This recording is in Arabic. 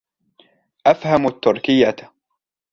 أفهم التركية.